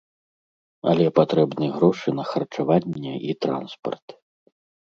Але патрэбны грошы на харчаванне і транспарт.